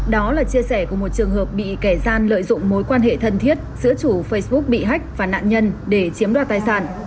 đó là chia sẻ của một trường hợp bị kẻ gian lợi dụng mối quan hệ thân thiết giữa chủ facebook bị hách và nạn nhân để chiếm đoạt tài sản